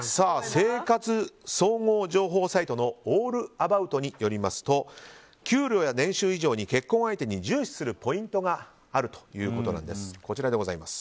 生活総合情報サイトのオールアバウトによりますと給料や年収以上に結婚相手に重視するポイントがあるということです。